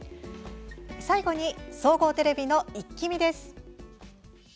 最後に、総合テレビの「イッキ見！」です。